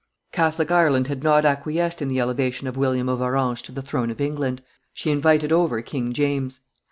Catholic Ireland had not acquiesced in the elevation of William of Orange to the throne of England; she invited over King James.